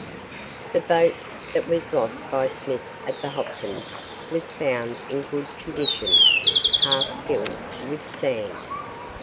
The boat that was lost by Smith at the Hopkins was found in good condition, half filled with sand.